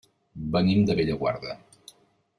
Venim de Bellaguarda.